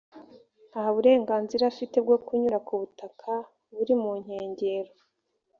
nta burenganzira afite bwo kunyura ku butaka buri mu nkengero